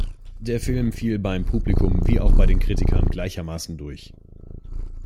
Der Film fiel beim Publikum wie auch bei den Kritikern gleichermaßen durch.